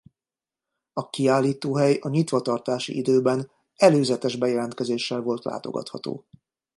A kiállítóhely a nyitvatartási időben előzetes bejelentkezéssel volt látogatható.